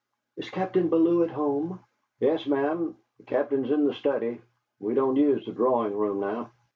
"Is Captain Bellew at home?" "Yes, ma'am. The Captain's in the study. We don't use the drawing room now.